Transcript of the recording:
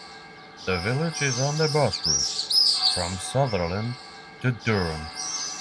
The village is on the bus route from Sunderland to Durham.